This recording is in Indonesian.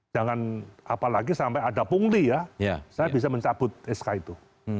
jangan apalagi sampai ada pungli ya saya bisa mencabut sk itu